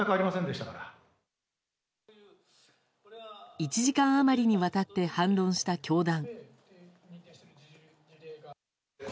１時間余りにわたって反論した教団。